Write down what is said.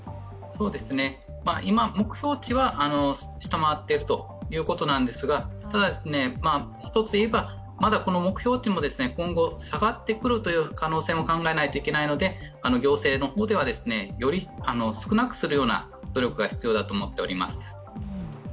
今、目標値は下回っているということなんですが、ただ、１ついえば、この目標値も今後下がってくる可能性も考えないといけないので、行政の方ではより少なくするような努力が必要だと思っております。